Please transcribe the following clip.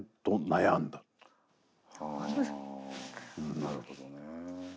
なるほどね。